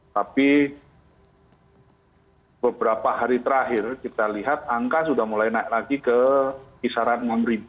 tapi beberapa hari terakhir kita lihat angka sudah mulai naik lagi ke kisaran enam